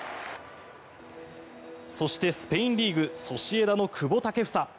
そして、スペインリーグソシエダの久保建英。